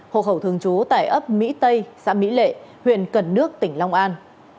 hộ khẩu thường trú tại ấp mỹ tây xã mỹ lệ huyện cần đước tỉnh long an